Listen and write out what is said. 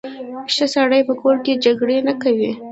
ښه سړی په کور کې جګړې نه کوي.